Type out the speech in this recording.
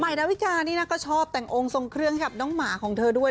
นาวิกานี่นะก็ชอบแต่งองค์ทรงเครื่องให้กับน้องหมาของเธอด้วย